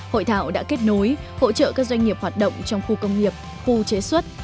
hội thảo đã kết nối hỗ trợ các doanh nghiệp hoạt động trong khu công nghiệp khu chế xuất